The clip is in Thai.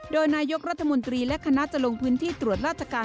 โดยนายกรัฐมนตรีและคณะจะลงพื้นที่ตรวจราชการ